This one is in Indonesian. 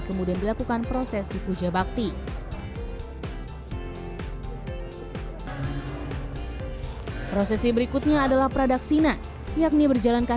kemudian dilakukan prosesi puja bakti prosesi berikutnya adalah pradaksina yakni berjalankah